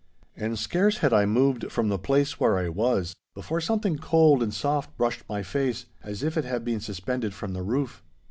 And scarce had I moved from the place where I was, before something cold and soft brushed my face, as if it had been suspended from the roof.